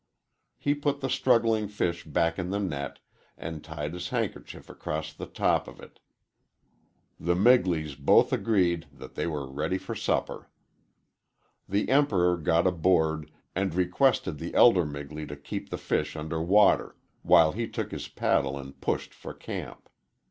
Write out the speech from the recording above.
He put the struggling fish back in the net and tied his handkerchief across the top of it. The Migleys both agreed that they were ready for supper. The Emperor got aboard and requested the elder Migley to keep the fish under water, while he took his paddle and pushed for camp.